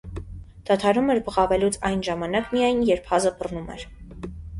դադարում էր բղավելուց այն ժամանակ միայն, երբ հազը բռնում էր: